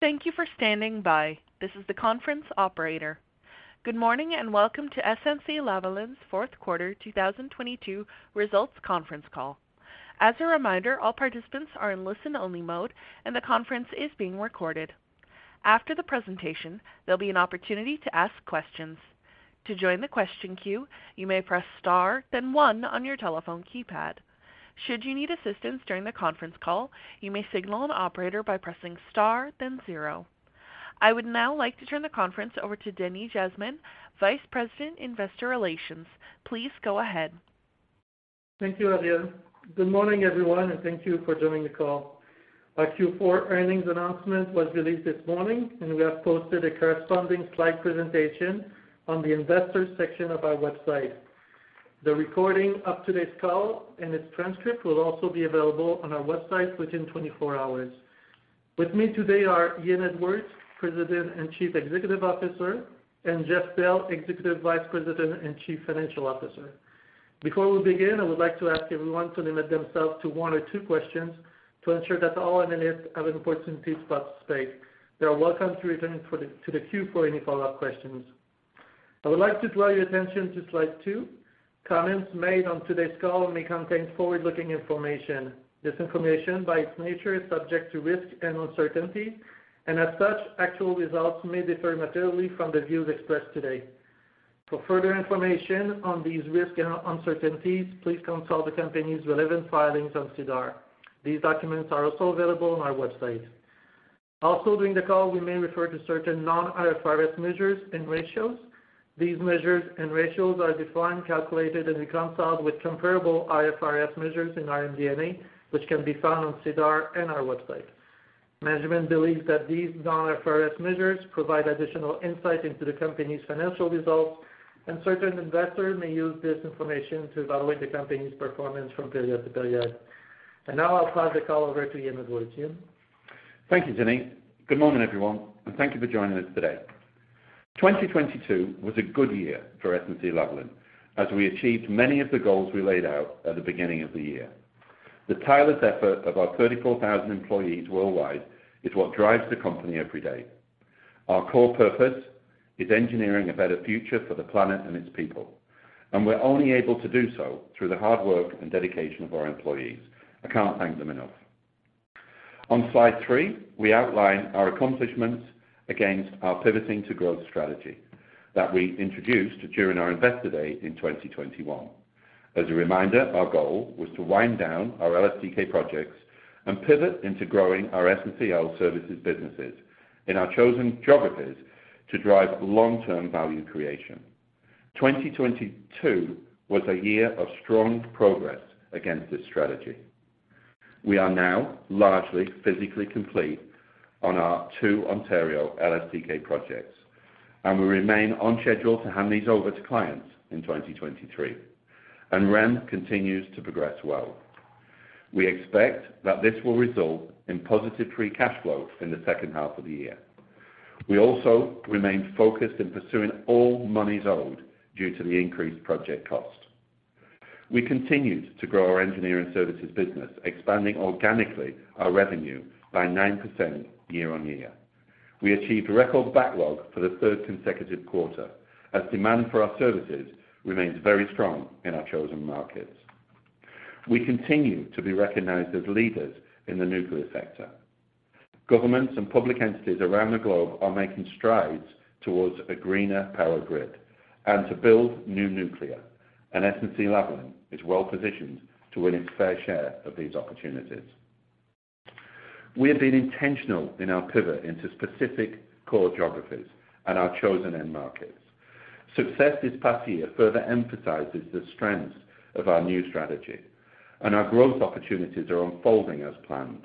Thank you for standing by. This is the conference operator. Good morning and welcome to SNC-Lavalin's fourth quarter 2022 results conference call. As a reminder, all participants are in listen-only mode, and the conference is being recorded. After the presentation, there'll be an opportunity to ask questions. To join the question queue, you may press Star, then 1 on your telephone keypad. Should you need assistance during the conference call, you may signal an operator by pressing Star, then 0. I would now like to turn the conference over to Denis Jasmin, Vice President, Investor Relations. Please go ahead. Thank you, Adrian. Good morning, everyone, and thank you for joining the call. Our Q4 earnings announcement was released this morning, and we have posted a corresponding slide presentation on the Investors section of our website. The recording of today's call and its transcript will also be available on our website within 24 hours. With me today are Ian Edwards, President and Chief Executive Officer, and Jeff Bell, Executive Vice President and Chief Financial Officer. Before we begin, I would like to ask everyone to limit themselves to 1 or 2 questions to ensure that all analysts have an opportunity to participate. They are welcome to return to the queue for any follow-up questions. I would like to draw your attention to Slide 2. Comments made on today's call may contain forward-looking information. This information, by its nature, is subject to risks and uncertainty, as such, actual results may differ materially from the views expressed today. For further information on these risks and uncertainties, please consult the company's relevant filings on SEDAR. These documents are also available on our website. During the call, we may refer to certain non-IFRS measures and ratios. These measures and ratios are defined, calculated, and reconciled with comparable IFRS measures in our MD&A, which can be found on SEDAR and our website. Management believes that these non-IFRS measures provide additional insight into the company's financial results, certain investors may use this information to evaluate the company's performance from period to period. Now I'll pass the call over to Ian Edwards. Ian? Thank you, Denis. Good morning, everyone, and thank you for joining us today. 2022 was a good year for SNC-Lavalin as we achieved many of the goals we laid out at the beginning of the year. The tireless effort of our 34,000 employees worldwide is what drives the company every day. Our core purpose is engineering a better future for the planet and its people, and we're only able to do so through the hard work and dedication of our employees. I can't thank them enough. On Slide 3, we outline our accomplishments against our pivoting to growth strategy that we introduced during our Investor Day in 2021. As a reminder, our goal was to wind down our LSTK Projects and pivot into growing our SNCL Services businesses in our chosen geographies to drive long-term value creation. 2022 was a year of strong progress against this strategy. We are now largely physically complete on our two Ontario LSTK projects. We remain on schedule to hand these over to clients in 2023. REM continues to progress well. We expect that this will result in positive free cash flow in the second half of the year. We also remain focused in pursuing all monies owed due to the increased project cost. We continued to grow our engineering services business, expanding organically our revenue by 9% year-on-year. We achieved record backlog for the third consecutive quarter as demand for our services remains very strong in our chosen markets. We continue to be recognized as leaders in the nuclear sector. Governments and public entities around the globe are making strides towards a greener power grid and to build new nuclear. SNC-Lavalin is well positioned to win its fair share of these opportunities. We have been intentional in our pivot into specific core geographies and our chosen end markets. Success this past year further emphasizes the strength of our new strategy and our growth opportunities are unfolding as planned.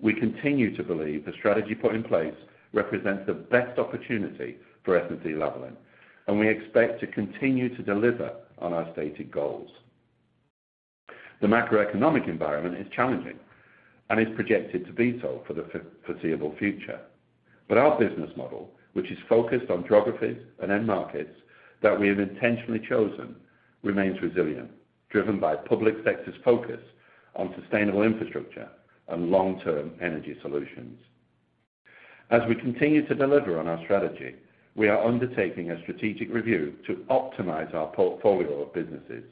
We continue to believe the strategy put in place represents the best opportunity for SNC-Lavalin, and we expect to continue to deliver on our stated goals. The macroeconomic environment is challenging and is projected to be so for the foreseeable future. Our business model, which is focused on geographies and end markets that we have intentionally chosen, remains resilient, driven by public sector's focus on sustainable infrastructure and long-term energy solutions. As we continue to deliver on our strategy, we are undertaking a strategic review to optimize our portfolio of businesses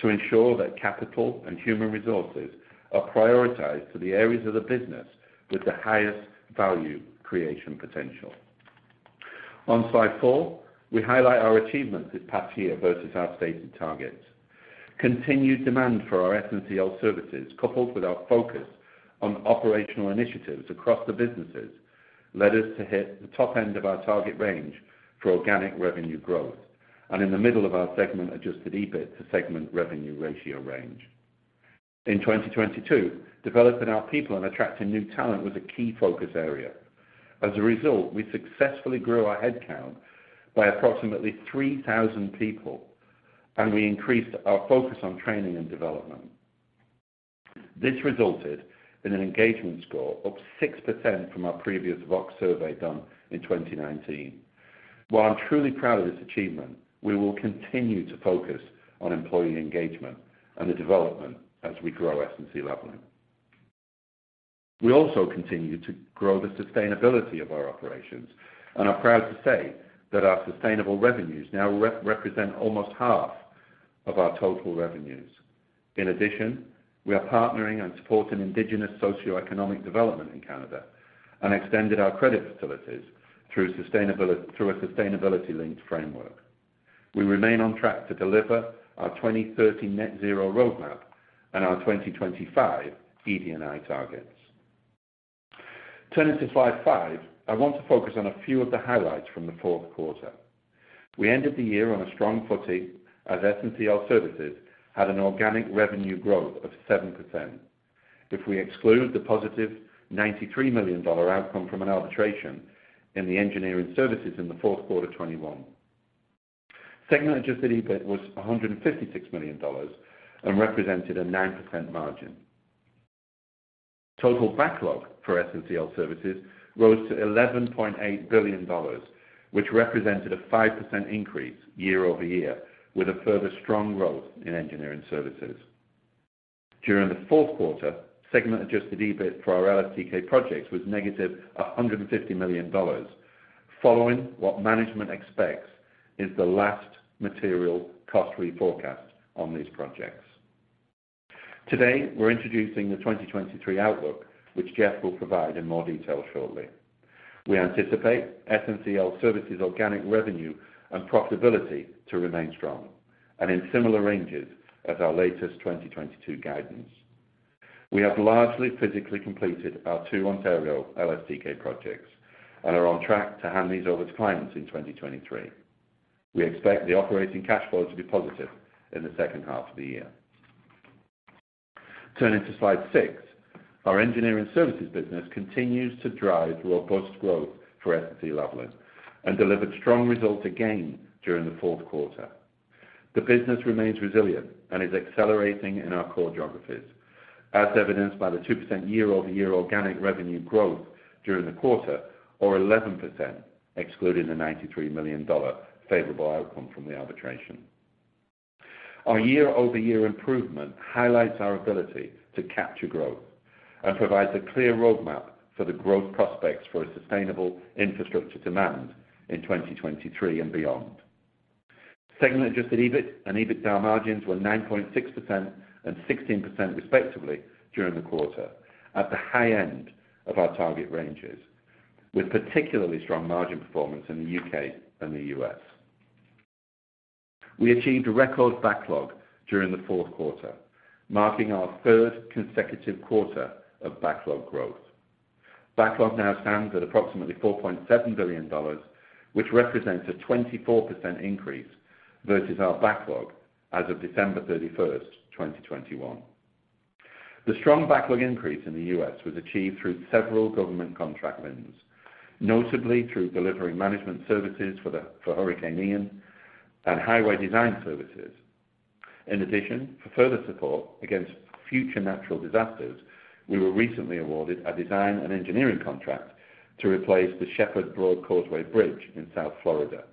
to ensure that capital and human resources are prioritized to the areas of the business with the highest value creation potential. On Slide 4, we highlight our achievements this past year versus our stated targets. Continued demand for our SNCL Services, coupled with our focus on operational initiatives across the businesses, led us to hit the top end of our target range for organic revenue growth and in the middle of our segment adjusted EBIT to segment revenue ratio range. In 2022, developing our people and attracting new talent was a key focus area. As a result, we successfully grew our headcount by approximately 3,000 people, and we increased our focus on training and development. This resulted in an engagement score up 6% from our previous Vox survey done in 2019. While I'm truly proud of this achievement, we will continue to focus on employee engagement and the development as we grow SNC-Lavalin. We also continue to grow the sustainability of our operations, and are proud to say that our sustainable revenues now represent almost half of our total revenues. In addition, we are partnering and supporting indigenous socioeconomic development in Canada, and extended our credit facilities through a sustainability linked framework. We remain on track to deliver our 2030 net zero roadmap and our 2025 ED&I targets. Turning to Slide 5, I want to focus on a few of the highlights from the fourth quarter. We ended the year on a strong footing as SNCL Services had an organic revenue growth of 7%. If we exclude the positive 93 million dollar outcome from an arbitration in the engineering services in Q4 2021. Segment adjusted EBIT was 156 million dollars and represented a 9% margin. Total backlog for SNCL Services rose to 11.8 billion dollars, which represented a 5% increase year-over-year, with a further strong growth in engineering services. During Q4, segment adjusted EBIT for our LSTK Projects was negative 150 million dollars following what management expects is the last material cost we forecast on these projects. Today, we're introducing the 2023 outlook, which Jeff will provide in more detail shortly. We anticipate SNCL Services organic revenue and profitability to remain strong and in similar ranges as our latest 2022 guidance. We have largely physically completed our 2 Ontario LSTK Projects and are on track to hand these over to clients in 2023. We expect the operating cash flow to be positive in the second half of the year. Turning to Slide 6. Our engineering services business continues to drive robust growth for SNC-Lavalin and delivered strong results again during the fourth quarter. The business remains resilient and is accelerating in our core geographies, as evidenced by the 2% year-over-year organic revenue growth during the quarter, or 11% excluding the 93 million dollar favorable outcome from the arbitration. Our year-over-year improvement highlights our ability to capture growth and provides a clear roadmap for the growth prospects for a sustainable infrastructure demand in 2023 and beyond. Segment adjusted EBIT and EBITDA margins were 9.6% and 16% respectively during the quarter at the high end of our target ranges, with particularly strong margin performance in the U.K. and the U.S. We achieved a record backlog during the fourth quarter, marking our third consecutive quarter of backlog growth. Backlog now stands at approximately $4.7 billion, which represents a 24% increase versus our backlog as of December 31, 2021. The strong backlog increase in the U.S. was achieved through several government contract wins, notably through delivering management services for Hurricane Ian and highway design services. For further support against future natural disasters, we were recently awarded a design and engineering contract to replace the Shepard Broad Causeway Bridge in South Florida,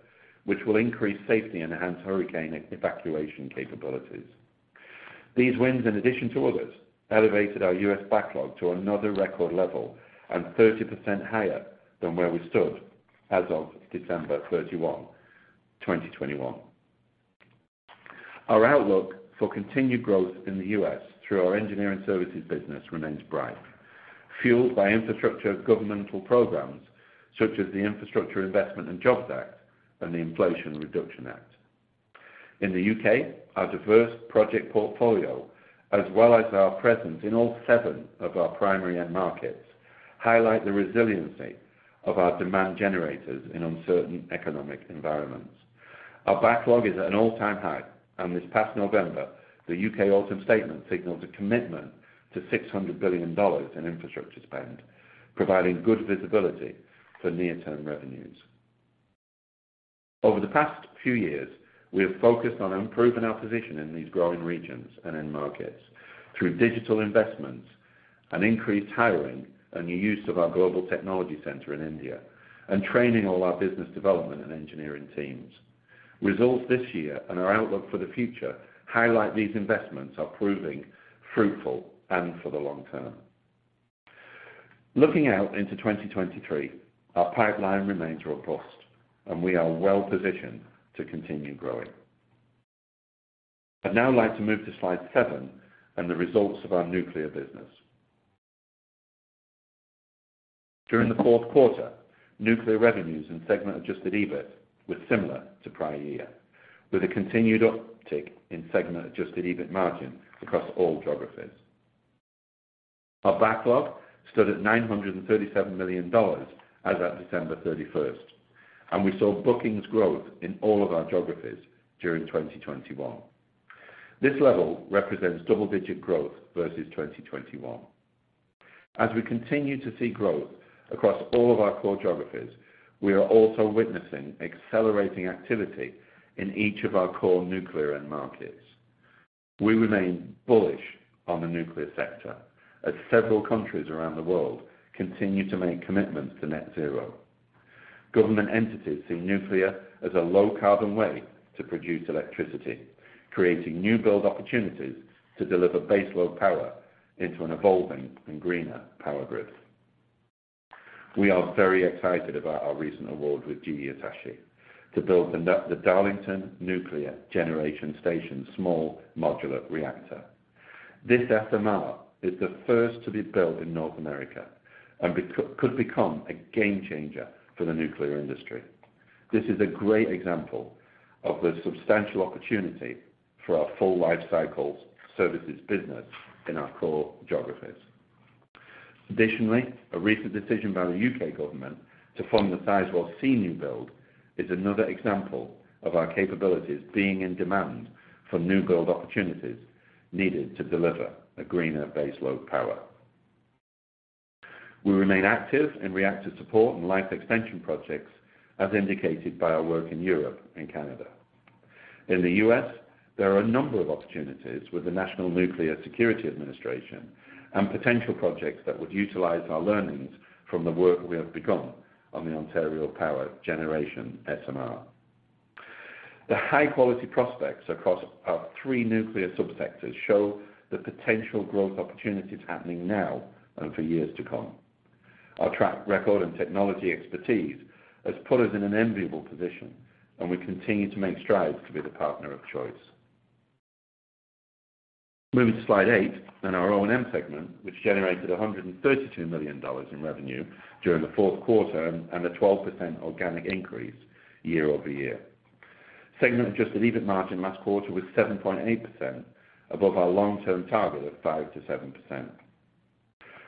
which will increase safety and enhance hurricane evacuation capabilities. These wins, in addition to others, elevated our U.S. backlog to another record level and 30% higher than where we stood as of December 31, 2021. Our outlook for continued growth in the U.S. through our engineering services business remains bright, fueled by infrastructure governmental programs such as the Infrastructure Investment and Jobs Act and the Inflation Reduction Act. In the U.K., our diverse project portfolio as well as our presence in all seven of our primary end markets, highlight the resiliency of our demand generators in uncertain economic environments. Our backlog is at an all-time high. This past November, the U.K. Autumn Statement signaled a commitment to $600 billion in infrastructure spend, providing good visibility for near-term revenues. Over the past few years, we have focused on improving our position in these growing regions and end markets through digital investments and increased hiring and use of our global technology center in India and training all our business development and engineering teams. Results this year and our outlook for the future highlight these investments are proving fruitful and for the long term. Looking out into 2023, our pipeline remains robust and we are well-positioned to continue growing. I'd now like to move to Slide 7 and the results of our nuclear business. During the Q4, nuclear revenues and segment adjusted EBIT were similar to prior year, with a continued uptick in segment adjusted EBIT margin across all geographies. Our backlog stood at 937 million dollars as at December 31st, and we saw bookings growth in all of our geographies during 2021. This level represents double-digit growth versus 2021. As we continue to see growth across all of our core geographies, we are also witnessing accelerating activity in each of our core nuclear end markets. We remain bullish on the nuclear sector as several countries around the world continue to make commitments to net zero. Government entities see nuclear as a low carbon way to produce electricity, creating new build opportunities to deliver baseload power into an evolving and greener power grid. We are very excited about our recent award with GE Hitachi to build the Darlington Nuclear Generating Station Small Modular Reactor. This SMR is the first to be built in North America and could become a game changer for the nuclear industry. This is a great example of the substantial opportunity for our full lifecycle services business in our core geographies. Additionally, a recent decision by the U.K. government to fund the Sizewell C new build is another example of our capabilities being in demand for new build opportunities needed to deliver a greener baseload power. We remain active in reactor support and life extension projects as indicated by our work in Europe and Canada. In the U.S., there are a number of opportunities with the National Nuclear Security Administration and potential projects that would utilize our learnings from the work we have begun on the Ontario Power Generation SMR. The high quality prospects across our three nuclear sub-sectors show the potential growth opportunities happening now and for years to come. Our track record and technology expertise has put us in an enviable position, and we continue to make strides to be the partner of choice. Moving to Slide 8 and our O&M segment, which generated 132 million dollars in revenue during the fourth quarter and a 12% organic increase year-over-year. Segment adjusted EBIT margin last quarter was 7.8%, above our long-term target of 5%-7%.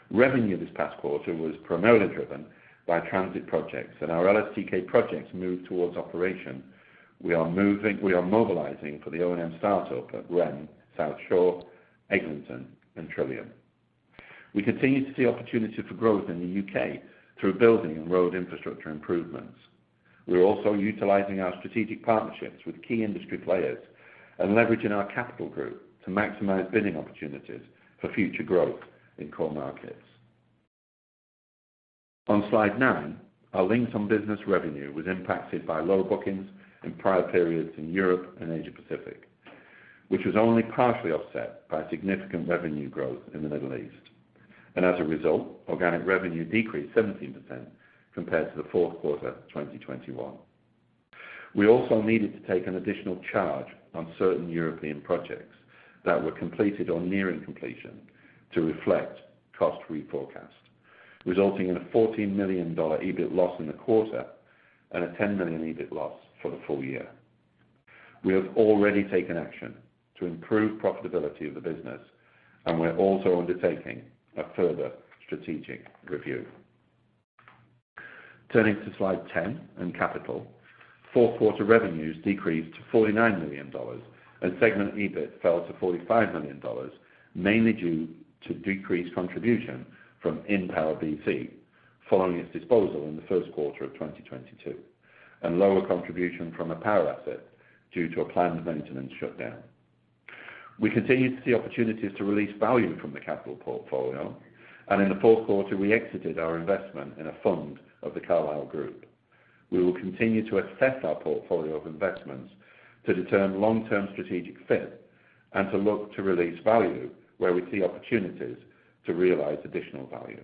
Revenue this past quarter was primarily driven by transit projects and our LSTK Projects moved towards operation. We are mobilizing for the O&M start-up at REM, South Shore, Eglinton and Trillium. We continue to see opportunity for growth in the U.K. through building and road infrastructure improvements. We are also utilizing our strategic partnerships with key industry players and leveraging our capital group to maximize bidding opportunities for future growth in core markets. On Slide 9, our Linxon business revenue was impacted by low bookings in prior periods in Europe and Asia Pacific, which was only partially offset by significant revenue growth in the Middle East. As a result, organic revenue decreased 17% compared to the fourth quarter of 2021. We also needed to take an additional charge on certain European projects that were completed or nearing completion to reflect cost reforecast, resulting in a 14 million dollar EBIT loss in the quarter and a 10 million EBIT loss for the full year. We have already taken action to improve profitability of the business, and we're also undertaking a further strategic review. Turning to Slide 10 and capital. Fourth quarter revenues decreased to 49 million dollars and segment EBIT fell to 45 million dollars, mainly due to decreased contribution from InPower BC following its disposal in the first quarter of 2022, and lower contribution from a power asset due to a planned maintenance shutdown. We continue to see opportunities to release value from the capital portfolio, and in the fourth quarter, we exited our investment in a fund of The Carlyle Group. We will continue to assess our portfolio of investments to determine long-term strategic fit and to look to release value where we see opportunities to realize additional value.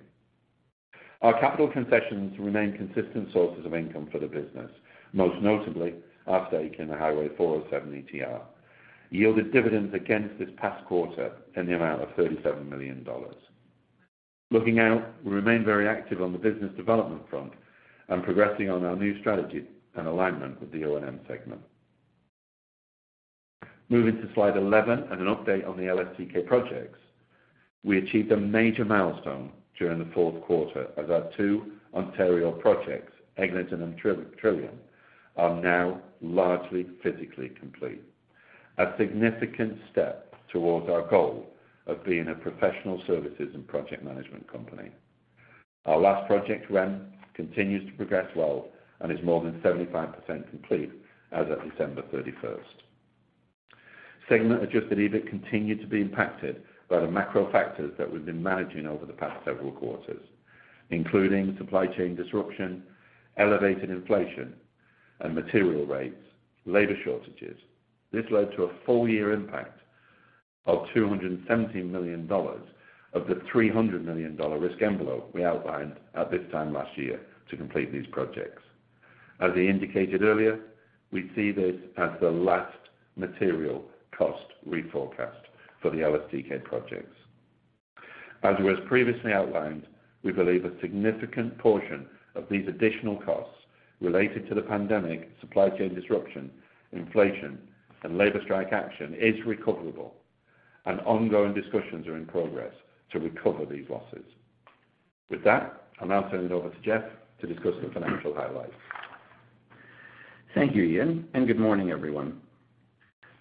Our capital concessions remain consistent sources of income for the business. Most notably, our stake in the Highway 407 ETR yielded dividends against this past quarter in the amount of 37 million dollars. Looking out, we remain very active on the business development front and progressing on our new strategy and alignment with the O&M segment. Moving to Slide 11 and an update on the LSTK projects. We achieved a major milestone during the fourth quarter as our two Ontario projects, Eglinton and Trillium, are now largely physically complete. A significant step towards our goal of being a professional services and project management company. Our last project, REM, continues to progress well and is more than 75% complete as at December 31st. Segment adjusted EBIT continued to be impacted by the macro factors that we've been managing over the past several quarters, including supply chain disruption, elevated inflation and material rates, labor shortages. This led to a full year impact of 270 million dollars of the 300 million dollar risk envelope we outlined at this time last year to complete these projects. As Ian indicated earlier, we see this as the last material cost reforecast for the LSTK projects. As was previously outlined, we believe a significant portion of these additional costs related to the pandemic, supply chain disruption, inflation, and labor strike action is recoverable and ongoing discussions are in progress to recover these losses. With that, I'll now send it over to Jeff to discuss the financial highlights. Thank you, Ian, and good morning, everyone.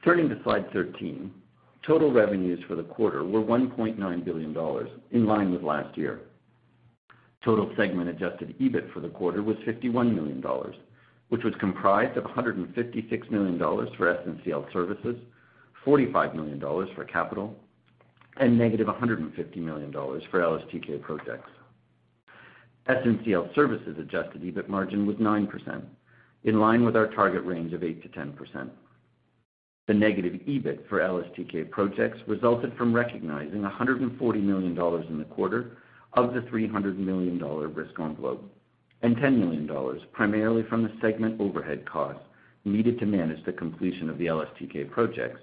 Turning to Slide 13. Total revenues for the quarter were 1.9 billion dollars, in line with last year. Total segment adjusted EBIT for the quarter was 51 million dollars, which was comprised of 156 million dollars for SNCL Services, 45 million dollars for capital, and negative 150 million dollars for LSTK Projects. SNCL Services adjusted EBIT margin was 9%, in line with our target range of 8%-10%. The negative EBIT for LSTK Projects resulted from recognizing 140 million dollars in the quarter of the 300 million dollar risk envelope and 10 million dollars primarily from the segment overhead costs needed to manage the completion of the LSTK Projects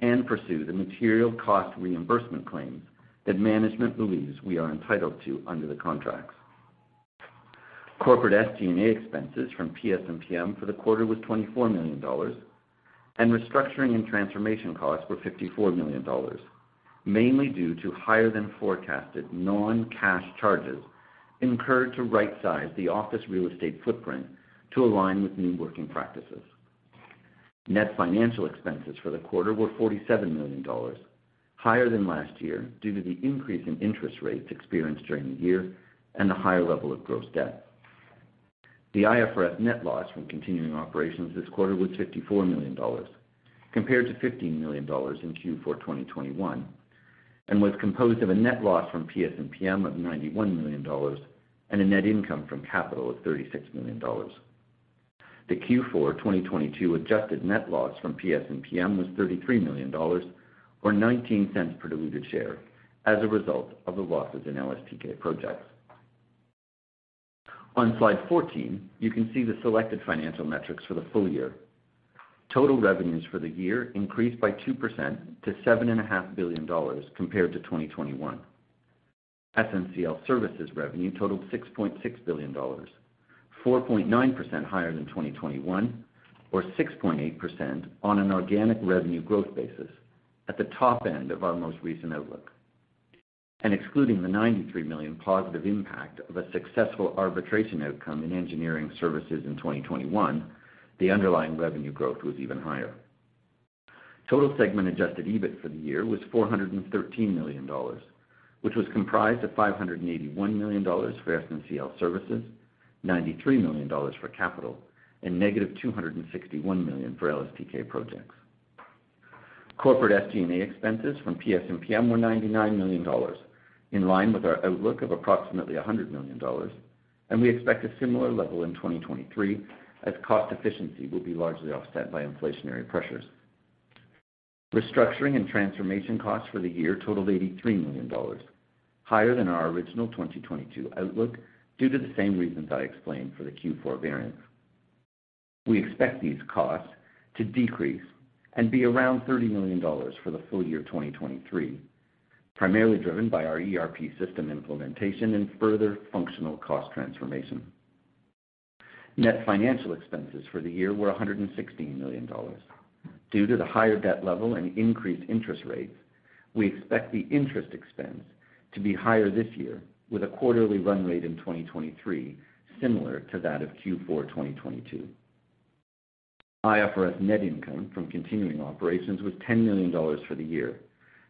and pursue the material cost reimbursement claims that management believes we are entitled to under the contracts. Corporate SG&A expenses from PS&PM for the quarter was 24 million dollars, and restructuring and transformation costs were 54 million dollars, mainly due to higher than forecasted non-cash charges incurred to rightsize the office real estate footprint to align with new working practices. Net financial expenses for the quarter were 47 million dollars, higher than last year due to the increase in interest rates experienced during the year and the higher level of gross debt. The IFRS net loss from continuing operations this quarter was 54 million dollars compared to 15 million dollars in Q4 2021, and was composed of a net loss from PS&PM of 91 million dollars and a net income from capital of 36 million dollars. The Q4 2022 adjusted net loss from PS&PM was 33 million dollars or 0.19 per diluted share as a result of the losses in LSTK projects. On Slide 14, you can see the selected financial metrics for the full year. Total revenues for the year increased by 2% to 7.5 billion dollars compared to 2021. SNCL Services revenue totaled 6.6 billion dollars, 4.9% higher than 2021 or 6.8% on an organic revenue growth basis at the top end of our most recent outlook. Excluding the 93 million positive impact of a successful arbitration outcome in engineering services in 2021, the underlying revenue growth was even higher. Total segment adjusted EBIT for the year was 413 million dollars, which was comprised of 581 million dollars for SNCL Services, 93 million dollars for capital and negative 261 million for LSTK Projects. Corporate SG&A expenses from PS&PM were 99 million dollars, in line with our outlook of approximately 100 million dollars, and we expect a similar level in 2023 as cost efficiency will be largely offset by inflationary pressures. Restructuring and transformation costs for the year totaled 83 million dollars, higher than our original 2022 outlook due to the same reasons I explained for the Q4 variance. We expect these costs to decrease and be around 30 million dollars for the full year, 2023, primarily driven by our ERP system implementation and further functional cost transformation. Net financial expenses for the year were 116 million dollars. Due to the higher debt level and increased interest rates, we expect the interest expense to be higher this year with a quarterly run rate in 2023 similar to that of Q4, 2022. IFRS net income from continuing operations was 10 million dollars for the year,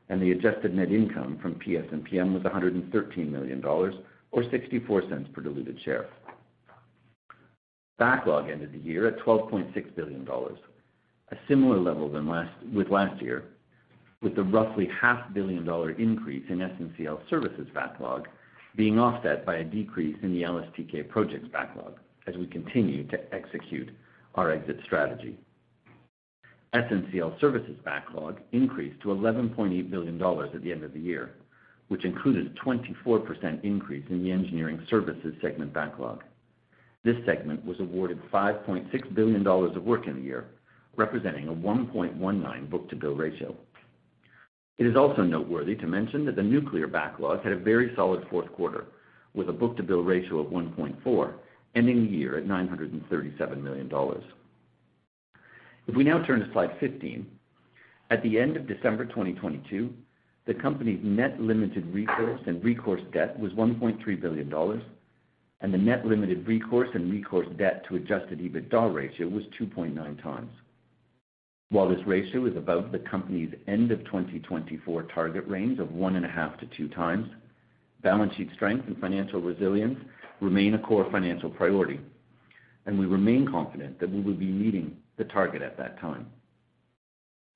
and the adjusted net income from PS&PM was 113 million dollars, or 0.64 per diluted share. Backlog ended the year at 12.6 billion dollars, a similar level with last year, with the roughly half billion dollar increase in SNCL Services backlog being offset by a decrease in the LSTK Projects backlog as we continue to execute our exit strategy. SNCL Services backlog increased to 11.8 billion dollars at the end of the year, which included a 24% increase in the engineering services segment backlog. This segment was awarded 5.6 billion dollars of work in the year, representing a 1.19 book-to-bill ratio. It is also noteworthy to mention that the nuclear backlogs had a very solid fourth quarter with a book-to-bill ratio of 1.4, ending the year at $937 million. We now turn to Slide 15. At the end of December 2022, the company's net limited recourse and recourse debt was $1.3 billion, and the net limited recourse and recourse debt to adjusted EBITDA ratio was 2.9 times. This ratio is above the company's end of 2024 target range of 1.5 to 2 times, balance sheet strength and financial resilience remain a core financial priority, and we remain confident that we will be meeting the target at that time.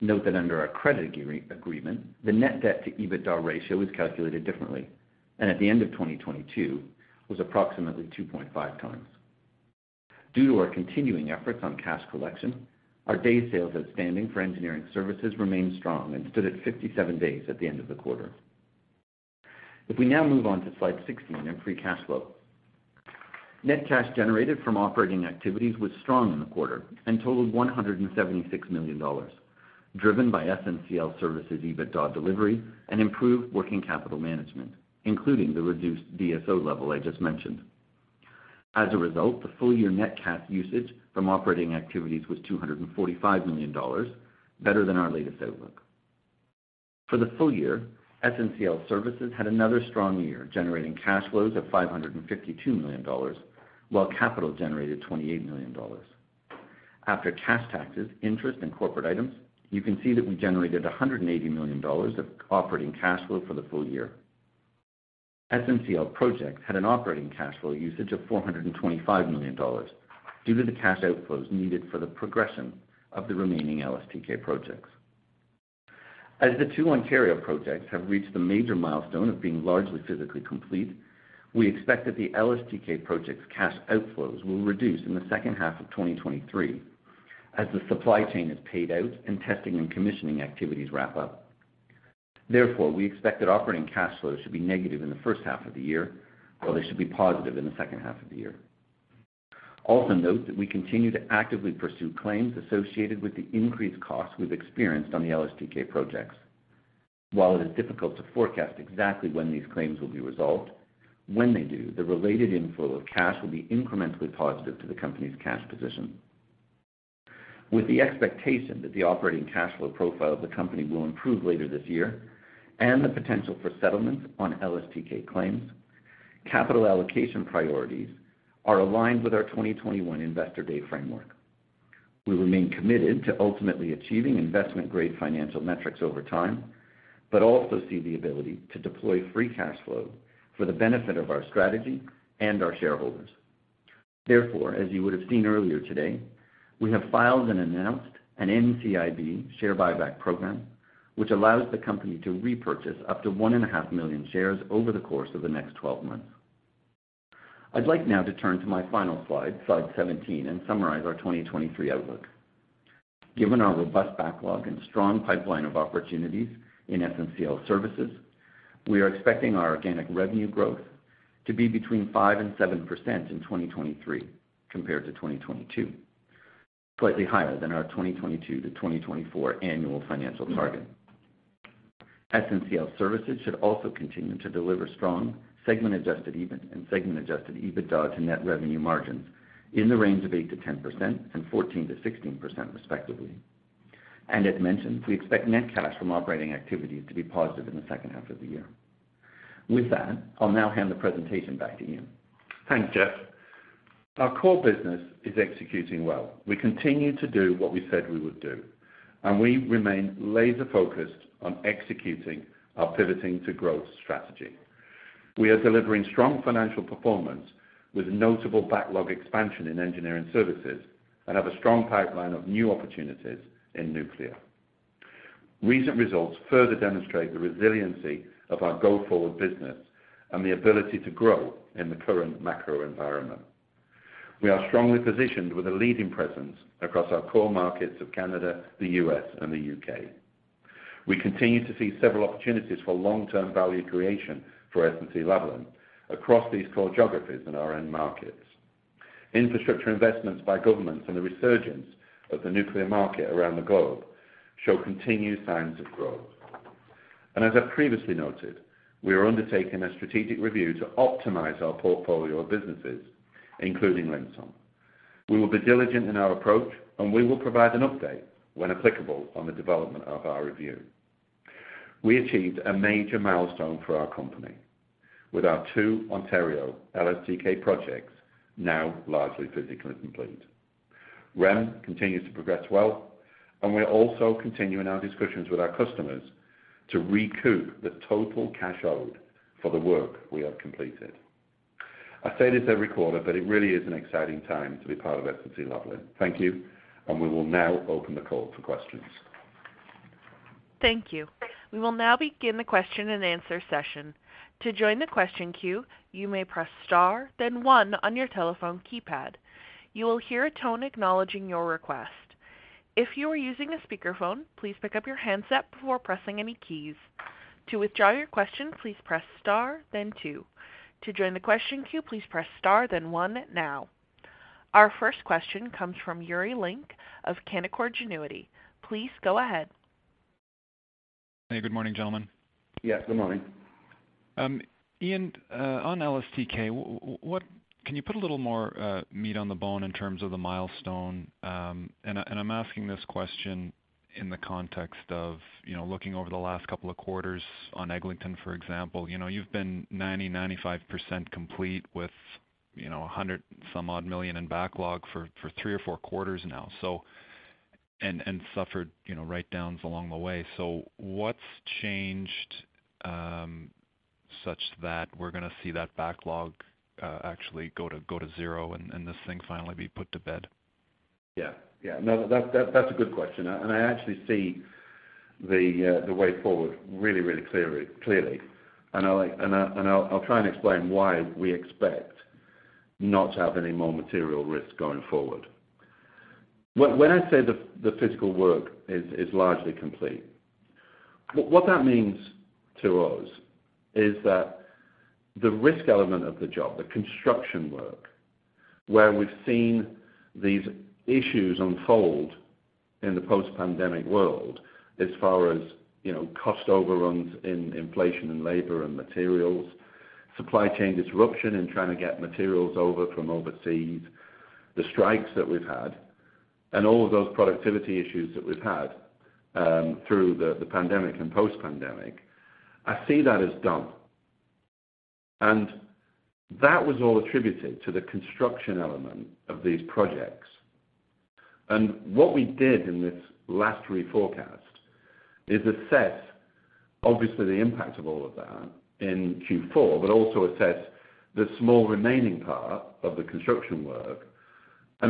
Note that under our credit agreement, the net debt to EBITDA ratio is calculated differently, and at the end of 2022 was approximately 2.5 times. Due to our continuing efforts on cash collection, our day sales outstanding for engineering services remained strong and stood at 57 days at the end of the quarter. If we now move on to Slide 16 in free cash flow. Net cash generated from operating activities was strong in the quarter and totaled 176 million dollars, driven by SNCL Services EBITDA delivery and improved working capital management, including the reduced DSO level I just mentioned. As a result, the full year net cash usage from operating activities was 245 million dollars, better than our latest outlook. For the full year, SNCL Services had another strong year, generating cash flows of 552 million dollars, while capital generated 28 million dollars. After cash taxes, interest, and corporate items, you can see that we generated 180 million dollars of operating cash flow for the full year. SNCL Projects had an operating cash flow usage of 425 million dollars due to the cash outflows needed for the progression of the remaining LSTK projects. As the 2 Ontario projects have reached the major milestone of being largely physically complete, we expect that the LSTK projects cash outflows will reduce in the second half of 2023 as the supply chain is paid out and testing and commissioning activities wrap up. We expect that operating cash flows should be negative in the first half of the year, while they should be positive in the second half of the year. Note that we continue to actively pursue claims associated with the increased costs we've experienced on the LSTK Projects. It is difficult to forecast exactly when these claims will be resolved, when they do, the related inflow of cash will be incrementally positive to the company's cash position. The expectation that the operating cash flow profile of the company will improve later this year and the potential for settlements on LSTK claims, capital allocation priorities are aligned with our 2021 Investor Day framework. We remain committed to ultimately achieving investment-grade financial metrics over time, but also see the ability to deploy free cash flow for the benefit of our strategy and our shareholders. Therefore, as you would have seen earlier today, we have filed and announced an NCIB share buyback program, which allows the company to repurchase up to 1.5 million shares over the course of the next 12 months. I'd like now to turn to my final Slide 17, and summarize our 2023 outlook. Given our robust backlog and strong pipeline of opportunities in SNCL Services, we are expecting our organic revenue growth to be between 5%-7% in 2023 compared to 2022, slightly higher than our 2022-2024 annual financial target. SNCL Services should also continue to deliver strong segment adjusted EBIT and segment adjusted EBITDA to net revenue margins in the range of 8%-10% and 14%-16% respectively. As mentioned, we expect net cash from operating activities to be positive in the second half of the year. With that, I'll now hand the presentation back to Ian. Thanks, Jeff. Our core business is executing well. We continue to do what we said we would do, and we remain laser-focused on executing our pivoting to growth strategy. We are delivering strong financial performance with notable backlog expansion in engineering services and have a strong pipeline of new opportunities in nuclear. Recent results further demonstrate the resiliency of our go-forward business and the ability to grow in the current macro environment. We are strongly positioned with a leading presence across our core markets of Canada, the U.S., and the U.K. We continue to see several opportunities for long-term value creation for SNC-Lavalin across these core geographies in our end markets. Infrastructure investments by governments and the resurgence of the nuclear market around the globe show continued signs of growth. As I previously noted, we are undertaking a strategic review to optimize our portfolio of businesses, including Linxon. We will be diligent in our approach, and we will provide an update when applicable on the development of our review. We achieved a major milestone for our company with our two Ontario LSTK projects now largely physically complete. REM continues to progress well, and we're also continuing our discussions with our customers to recoup the total cash owed for the work we have completed. I say this every quarter, but it really is an exciting time to be part of SNC-Lavalin. Thank you. We will now open the call for questions. Thank you. We will now begin the question and answer session. To join the question queue, you may press star, then 1 on your telephone keypad. You will hear a tone acknowledging your request. If you are using a speakerphone, please pick up your handset before pressing any keys. To withdraw your question, please press star then 2. To join the question queue, please press star then 1 now. Our first question comes from Yuri Lynk of Canaccord Genuity. Please go ahead. Good morning, gentlemen. Yes, good morning. Ian, on LSTK, can you put a little more meat on the bone in terms of the milestone? I'm asking this question in the context of, you know, looking over the last couple of quarters on Eglinton, for example. You know, you've been 90%, 95% complete with, you know, 100 some odd million in backlog for 3 or 4 quarters now, so. Suffered, you know, write-downs along the way. What's changed such that we're gonna see that backlog actually go to zero and this thing finally be put to bed? Yeah. Yeah. No, that's a good question. I actually see the way forward really clearly. I'll try and explain why we expect not to have any more material risks going forward. When I say the physical work is largely complete, what that means to us is that the risk element of the job, the construction work, where we've seen these issues unfold in the post-pandemic world as far as, you know, cost overruns in inflation in labor and materials, supply chain disruption in trying to get materials over from overseas, the strikes that we've had, and all of those productivity issues that we've had through the pandemic and post-pandemic, I see that as done. That was all attributed to the construction element of these projects. What we did in this last reforecast is assess obviously the impact of all of that in Q4, but also assess the small remaining part of the construction work. As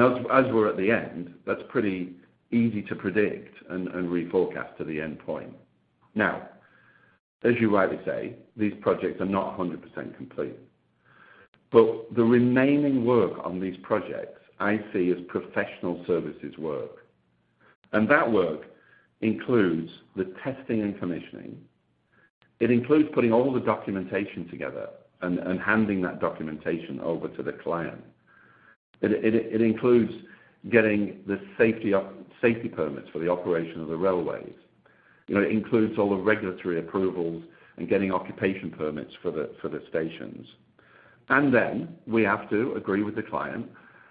we're at the end, that's pretty easy to predict and reforecast to the end point. Now, as you rightly say, these projects are not 100% complete. The remaining work on these projects I see as professional services work. That work includes the testing and commissioning. It includes putting all the documentation together and handing that documentation over to the client. It includes getting the safety permits for the operation of the railways. You know, it includes all the regulatory approvals and getting occupation permits for the, for the stations. We have to agree with the client,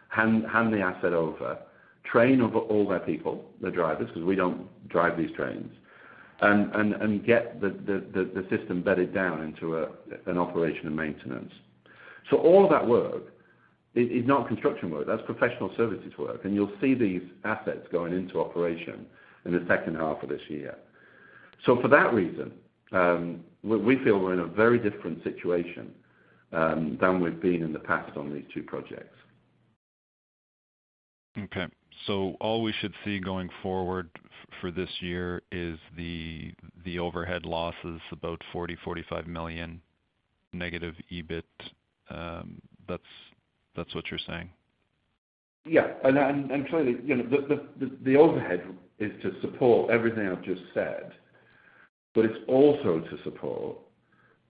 hand the asset over, train over all their people, the drivers, because we don't drive these trains, and get the system bedded down into an operation and maintenance. All that work is not construction work, that's professional services work, and you'll see these assets going into operation in the second half of this year. For that reason, we feel we're in a very different situation than we've been in the past on these 2 projects. All we should see going forward for this year is the overhead losses about 40 million-45 million negative EBIT. That's what you're saying? I'm trying to, you know, the overhead is to support everything I've just said, but it's also to support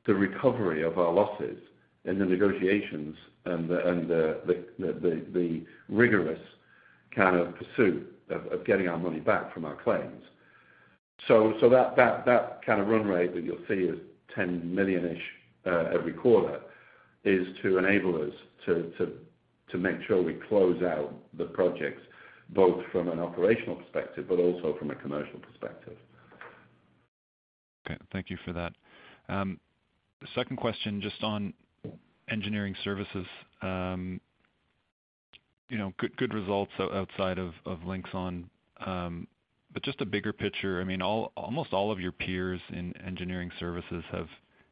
the recovery of our losses and the negotiations and the rigorous kind of pursuit of getting our money back from our claims. That kind of run rate that you'll see is 10 million-ish every quarter is to enable us to make sure we close out the projects, both from an operational perspective but also from a commercial perspective. Okay. Thank you for that. The second question just on engineering services. You know, good results outside of Linxon, but just the bigger picture. I mean, almost all of your peers in engineering services have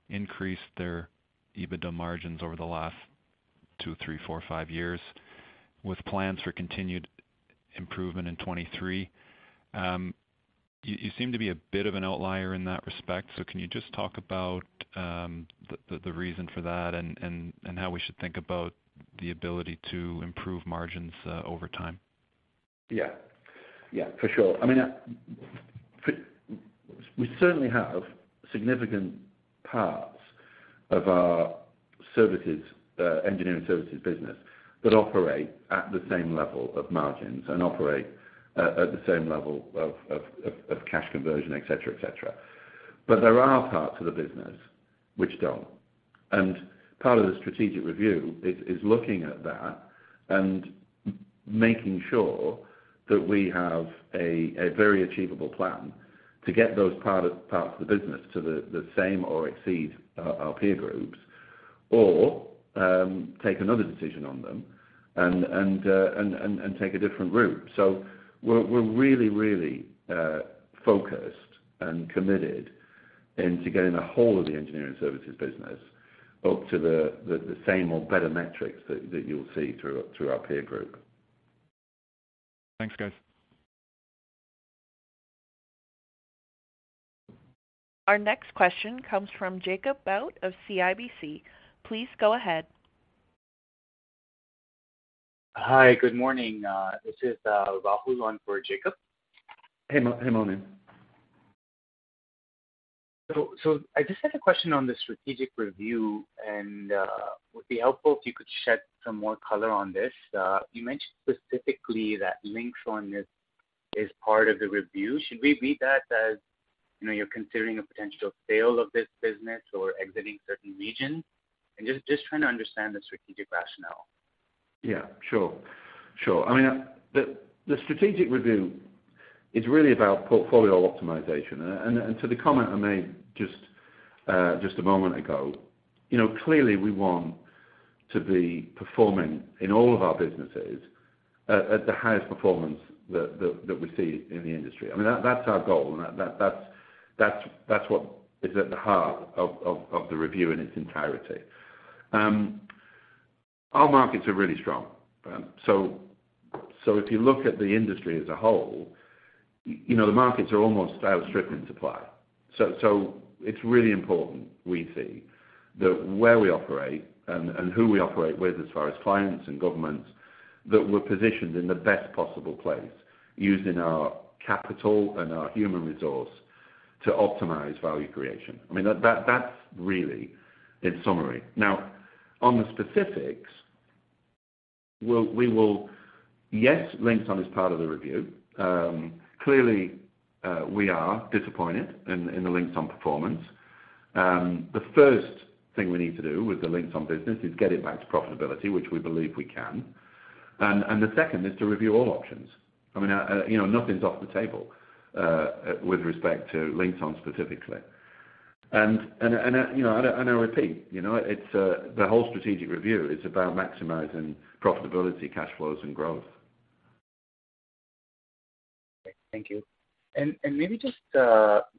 increased their EBITDA margins over the last 2, 3, 4, 5 years with plans for continued improvement in 2023. You seem to be a bit of an outlier in that respect. Can you just talk about the reason for that and how we should think about the ability to improve margins over time? Yeah. Yeah, for sure. I mean, we certainly have significant parts of our services, engineering services business that operate at the same level of margins and operate at the same level of cash conversion, et cetera, et cetera. There are parts of the business which don't. Part of the strategic review is looking at that and making sure that we have a very achievable plan to get those parts of the business to the same or exceed our peer groups or, take another decision on them and take a different route. We're really, really focused and committed into getting the whole of the engineering services business up to the same or better metrics that you'll see through our peer group. Thanks, guys. Our next question comes from Jacob Bout of CIBC. Please go ahead. Hi. Good morning. This is Rahul on for Jacob. Hey, hey, Rahul. I just had a question on the strategic review, and would be helpful if you could shed some more color on this. You mentioned specifically that Linxon is part of the review. Should we read that as, you know, you're considering a potential sale of this business or exiting certain regions? I'm just trying to understand the strategic rationale. Yeah. Sure. Sure. I mean, the strategic review is really about portfolio optimization. To the comment I made just a moment ago, you know, clearly we want to be performing in all of our businesses at the highest performance that we see in the industry. I mean, that's our goal and that's what is at the heart of the review in its entirety. Our markets are really strong. If you look at the industry as a whole, you know, the markets are almost outstripping supply. It's really important we see that where we operate and who we operate with as far as clients and governments, that we're positioned in the best possible place using our capital and our human resource to optimize value creation. I mean, that's really in summary. Now, on the specifics, we will. Yes, Linxon is part of the review. Clearly, we are disappointed in the Linxon performance. The first thing we need to do with the Linxon business is get it back to profitability, which we believe we can. The second is to review all options. I mean, you know, nothing's off the table, with respect to Linxon specifically. You know, and I repeat, you know, it's, the whole strategic review is about maximizing profitability, cash flows and growth. Thank you. Maybe just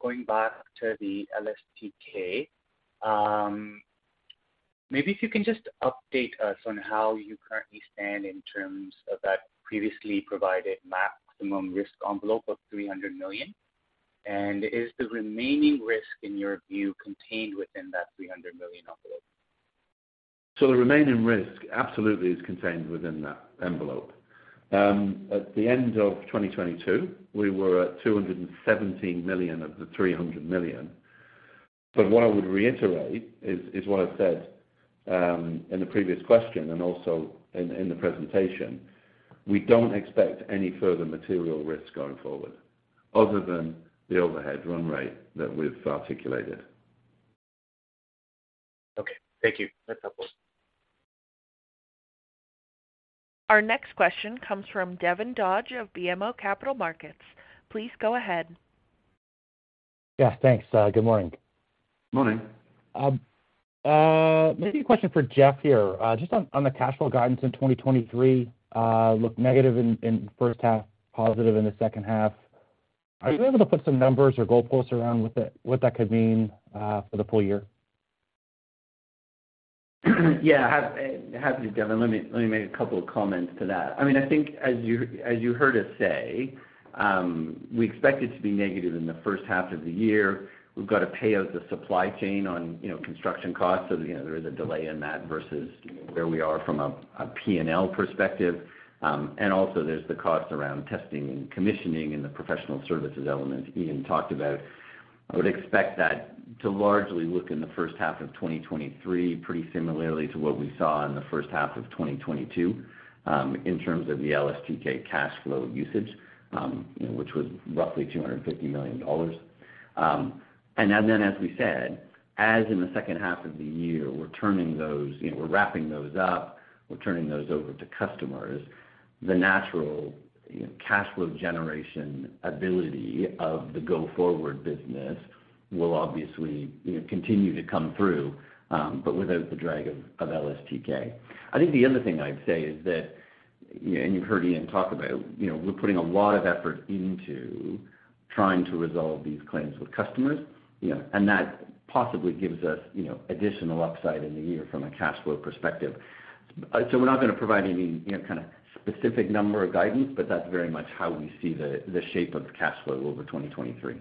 going back to the LSTK, maybe if you can just update us on how you currently stand in terms of that previously provided maximum risk envelope of 300 million. Is the remaining risk, in your view, contained within that 300 million envelope? The remaining risk absolutely is contained within that envelope. At the end of 2022, we were at 217 million of the 300 million. What I would reiterate is what I said in the previous question and also in the presentation. We don't expect any further material risks going forward other than the overhead run rate that we've articulated. Okay. Thank you. That's helpful. Our next question comes from Devin Dodge of BMO Capital Markets. Please go ahead. Yeah, thanks. Good morning. Morning. Maybe a question for Jeff here, just on the cash flow guidance in 2023, look negative in first half, positive in the second half. Are you able to put some numbers or goalposts around what that could mean for the full year? Yeah. Happy to, Devin. Let me make a couple of comments to that. I mean, I think as you heard us say, we expect it to be negative in the first half of the year. We've got to pay out the supply chain on, you know, construction costs. You know, there is a delay in that versus where we are from a P&L perspective. Also there's the cost around testing and commissioning and the professional services element Ian talked about. I would expect that to largely look in the first half of 2023, pretty similarly to what we saw in the first half of 2022, in terms of the LSTK cash flow usage, you know, which was roughly 250 million dollars. Then, as we said, as in the second half of the year, we're turning those, you know, we're wrapping those up, we're turning those over to customers. The natural, you know, cash flow generation ability of the go-forward business will obviously, you know, continue to come through, without the drag of LSTK. I think the other thing I'd say is that, you know, you've heard Ian talk about, you know, we're putting a lot of effort into trying to resolve these claims with customers, you know, that possibly gives us, you know, additional upside in the year from a cash flow perspective. We're not gonna provide any, you know, kind of specific number or guidance, but that's very much how we see the shape of cash flow over 2023.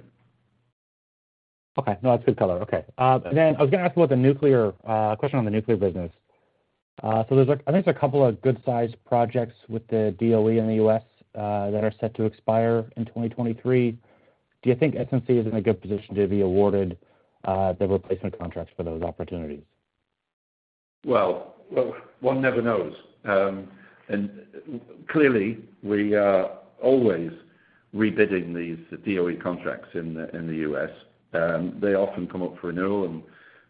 Okay. No, that's good color. Okay. I was gonna ask about the nuclear question on the nuclear business. I think there's a couple of good-sized projects with the DOE in the U.S. that are set to expire in 2023. Do you think SNC is in a good position to be awarded the replacement contracts for those opportunities? Well, one never knows. Clearly, we are always rebidding these DOE contracts in the U.S. They often come up for renewal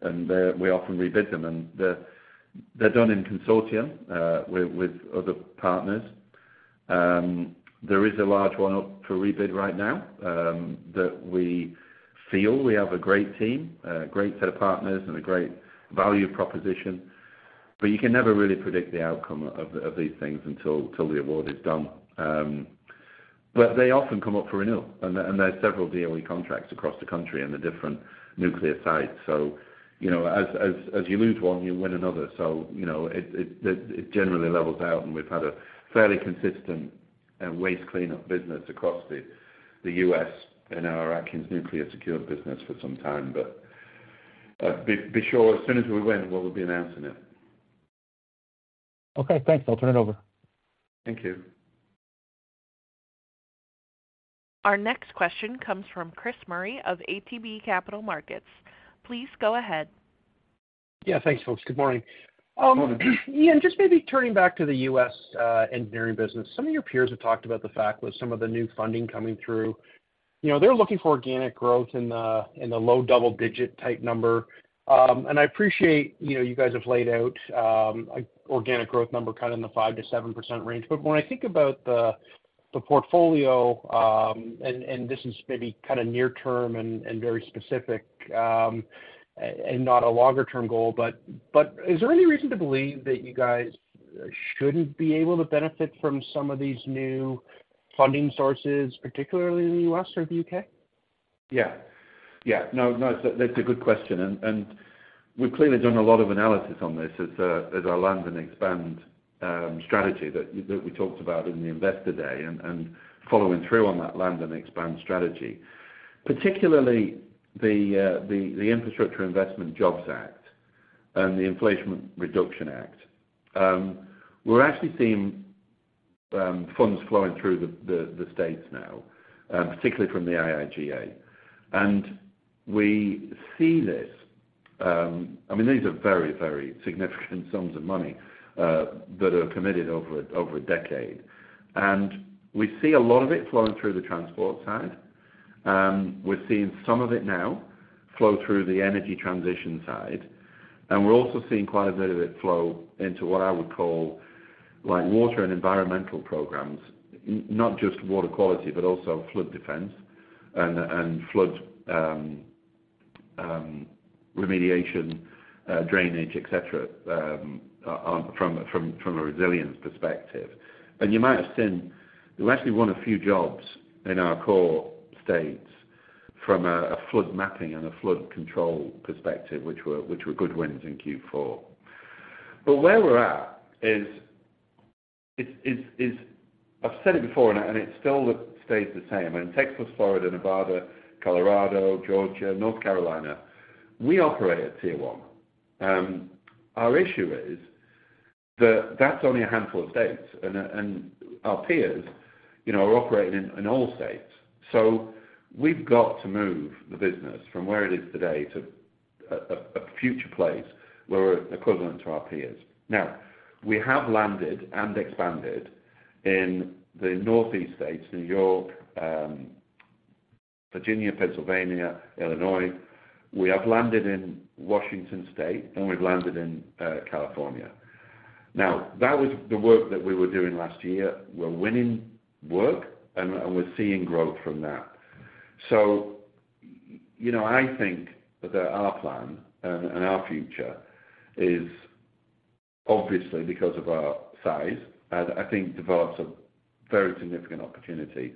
and we often rebid them, and they're done in consortium, with other partners. There is a large one up for rebid right now, that we feel we have a great team, a great set of partners and a great value proposition. You can never really predict the outcome of these things till the award is done. They often come up for renewal, and there are several DOE contracts across the country and the different nuclear sites. You know, as you lose one, you win another. You know, it generally levels out, and we've had a fairly consistent waste cleanup business across the U.S. in our Atkins Nuclear Secured business for some time. Be sure as soon as we win, we'll be announcing it. Okay, thanks. I'll turn it over. Thank you. Our next question comes from Chris Murray of ATB Capital Markets. Please go ahead. Yeah, thanks, folks. Good morning. Morning. Ian, just maybe turning back to the U.S. engineering business. Some of your peers have talked about the fact with some of the new funding coming through. You know, they're looking for organic growth in the, in the low double-digit type number. I appreciate, you know, you guys have laid out organic growth number kind of in the 5% to 7% range. But when I think about the portfolio, and this is maybe kind of near term and very specific, and not a longer-term goal, but is there any reason to believe that you guys shouldn't be able to benefit from some of these new funding sources, particularly in the U.S. or the U.K.? Yeah. Yeah. No, no, that's a good question. We've clearly done a lot of analysis on this as our land and expand strategy that we talked about in the Investor Day. Following through on that land and expand strategy. Particularly the Infrastructure Investment and Jobs Act and the Inflation Reduction Act. We're actually seeing funds flowing through the States now, particularly from the IIJA. We see this, I mean, these are very, very significant sums of money that are committed over a decade. We see a lot of it flowing through the transport side. We're seeing some of it now flow through the energy transition side. We're also seeing quite a bit of it flow into what I would call like water and environmental programs, not just water quality, but also flood defense and flood remediation, drainage, et cetera, from a resilience perspective. You might have seen, we've actually won a few jobs in our core states from a flood mapping and a flood control perspective, which were good wins in Q4. Where we're at is. I've said it before and it still stays the same. In Texas, Florida, Nevada, Colorado, Georgia, North Carolina, we operate at tier one. Our issue is that that's only a handful of states and our peers, you know, are operating in all states. We've got to move the business from where it is today to a future place where we're equivalent to our peers. We have landed and expanded in the Northeast states, New York, Virginia, Pennsylvania, Illinois. We have landed in Washington State, and we've landed in California. That was the work that we were doing last year. We're winning work, and we're seeing growth from that. You know, I think that our plan and our future is obviously because of our size, I think develops a very significant opportunity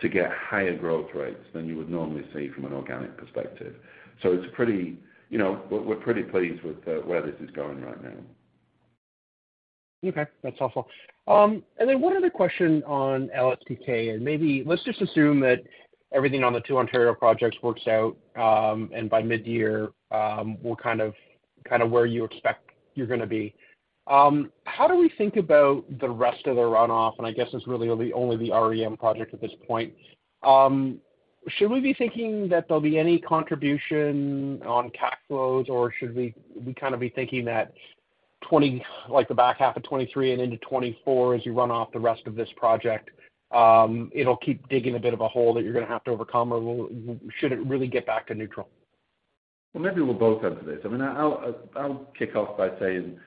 to get higher growth rates than you would normally see from an organic perspective. It's pretty, you know, we're pretty pleased with where this is going right now. Okay, that's helpful. Then one other question on LSTK, and maybe let's just assume that everything on the two Ontario projects works out, and by mid-year, we're kind of where you expect you're gonna be. How do we think about the rest of the runoff? I guess it's really only the REM project at this point. Should we be thinking that there'll be any contribution on cash flows, or should we kind of be thinking that like the back half of 2023 and into 2024, as you run off the rest of this project, it'll keep digging a bit of a hole that you're gonna have to overcome, or should it really get back to neutral? Well, maybe we'll both answer this. I mean, I'll, I'll kick off by saying,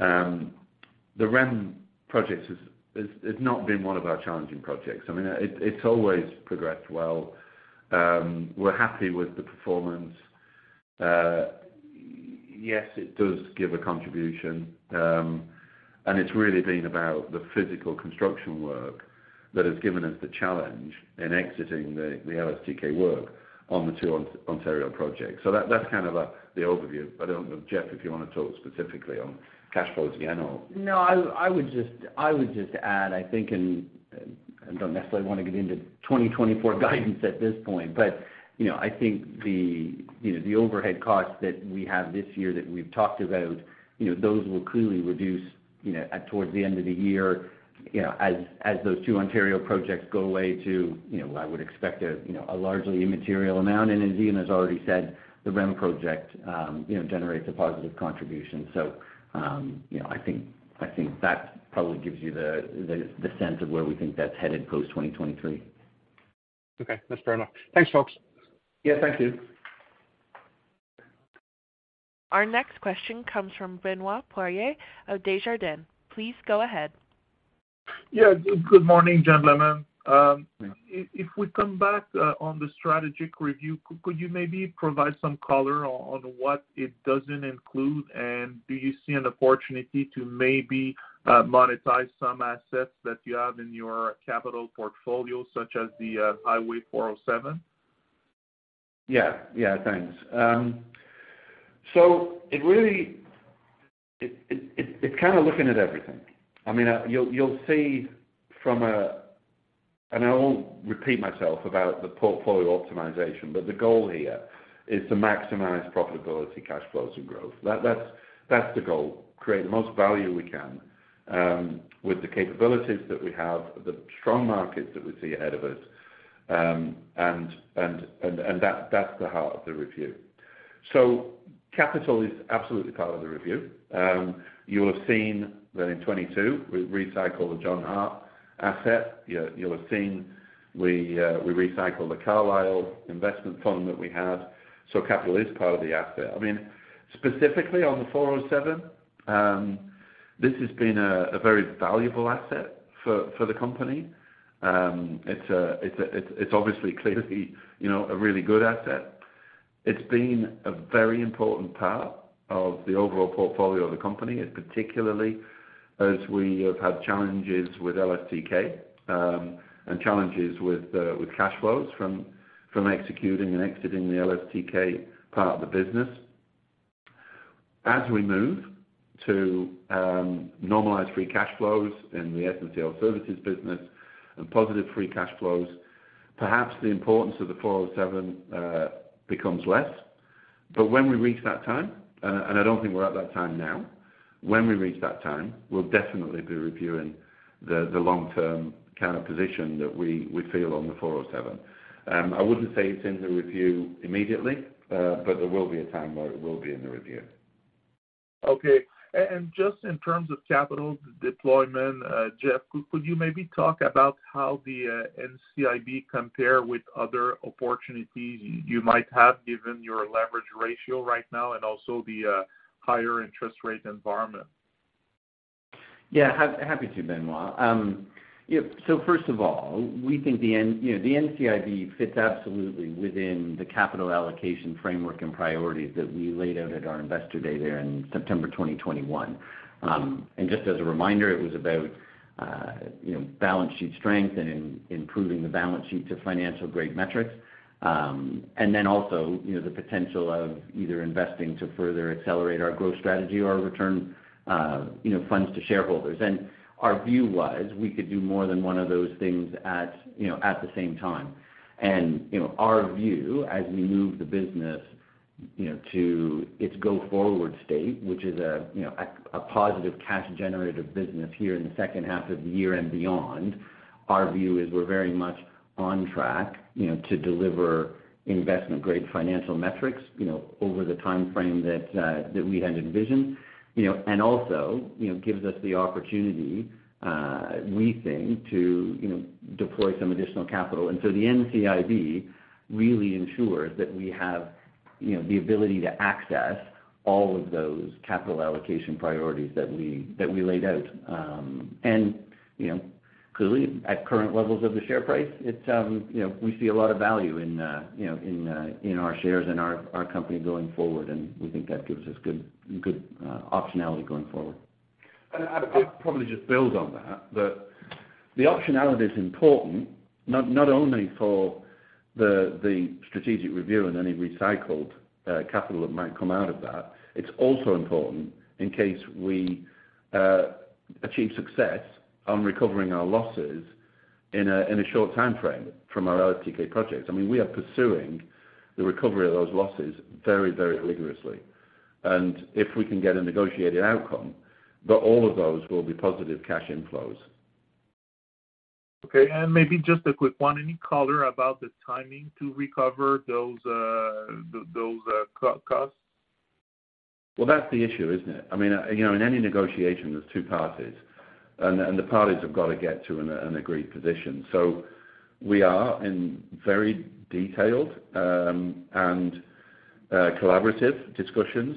the REM project is not been one of our challenging projects. I mean, it's always progressed well. We're happy with the performance. Yes, it does give a contribution, and it's really been about the physical construction work that has given us the challenge in exiting the LSTK work on the two Ontario projects. That's kind of a, the overview. I don't know, Jeff, if you wanna talk specifically on cash flows again or... No, I would just add, I think, and I don't necessarily wanna get into 2024 guidance at this point, but, you know, I think the, you know, the overhead costs that we have this year that we've talked about, you know, those will clearly reduce, you know, at towards the end of the year, you know, as those 2 Ontario projects go away to, you know, I would expect a, you know, a largely immaterial amount. As Ian has already said, the REM project, you know, generates a positive contribution. You know, I think that probably gives you the sense of where we think that's headed post 2023. Okay, that's fair enough. Thanks, folks. Yeah, thank you. Our next question comes from Benoit Poirier of Desjardins. Please go ahead. Yeah, good morning, gentlemen. Thanks. If we come back on the strategic review, could you maybe provide some color on what it doesn't include? Do you see an opportunity to maybe monetize some assets that you have in your capital portfolio, such as the Highway 407? Yeah. Yeah, thanks. It really, it's kind of looking at everything. I mean, you'll see from a... I won't repeat myself about the portfolio optimization, but the goal here is to maximize profitability, cash flows and growth. That's the goal, create the most value we can with the capabilities that we have, the strong markets that we see ahead of us, and that's the heart of the review. Capital is absolutely part of the review. You'll have seen that in 22, we recycled the John Hart asset. You'll have seen we recycled the Carlyle investment fund that we had. Capital is part of the asset. I mean, specifically on the 407, this has been a very valuable asset for the company. It's obviously clearly, you know, a really good asset. It's been a very important part of the overall portfolio of the company, particularly as we have had challenges with LSTK, and challenges with cash flows from executing and exiting the LSTK part of the business. As we move to normalize free cash flows in the LSTK Projects business and positive free cash flows, perhaps the importance of the 407 becomes less. When we reach that time, I don't think we're at that time now, when we reach that time, we'll definitely be reviewing the long-term kind of position that we feel on the 407. I wouldn't say it's in the review immediately, there will be a time where it will be in the review. Okay. Just in terms of capital deployment, Jeff, could you maybe talk about how the NCIB compare with other opportunities you might have given your leverage ratio right now and also the higher interest rate environment? Happy to, Benoit. First of all, we think the NCIB fits absolutely within the capital allocation framework and priorities that we laid out at our Investor Day there in September 2021. Just as a reminder, it was about, you know, balance sheet strength and improving the balance sheet to financial grade metrics. Also, you know, the potential of either investing to further accelerate our growth strategy or return, you know, funds to shareholders. Our view was we could do more than one of those things at, you know, at the same time. You know, our view as we move the business, you know, to its go-forward state, which is a, you know, a positive cash generative business here in the second half of the year and beyond, our view is we're very much on track, you know, to deliver investment grade financial metrics, you know, over the timeframe that we had envisioned. You know, and also, you know, gives us the opportunity, we think to, you know, deploy some additional capital. The NCIB really ensures that we have, you know, the ability to access all of those capital allocation priorities that we, that we laid out. You know, clearly at current levels of the share price, it's, you know, we see a lot of value in, you know, in our shares and our company going forward, and we think that gives us good optionality going forward. I'd probably just build on that. The optionality is important not only for the strategic review and any recycled capital that might come out of that, it's also important in case we achieve success on recovering our losses in a short timeframe from our LSTK projects. I mean, we are pursuing the recovery of those losses very vigorously. If we can get a negotiated outcome, but all of those will be positive cash inflows. Okay. Maybe just a quick one, any color about the timing to recover those costs? Well, that's the issue, isn't it? I mean, you know, in any negotiation there's two parties and the parties have got to get to an agreed position. We are in very detailed, and collaborative discussions.